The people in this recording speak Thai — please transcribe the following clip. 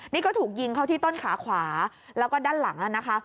นี่ก็ถูกยิงเข้าที่ต้นขาขวาแล้วก็ด้านหลังนะคะ